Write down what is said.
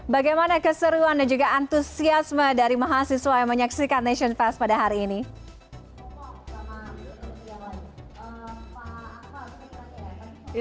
bagaimana keseruan dan juga antusiasme dari mahasiswa yang menyaksikan nation fest pada hari ini